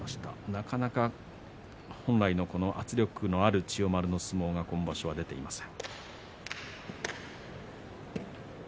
なかなか本来の圧力のある千代丸の相撲が今場所は出ていません。